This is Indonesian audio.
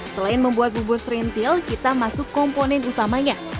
selain membuat bubur serintil kita masuk komponen utamanya